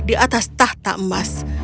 di atas tahta emas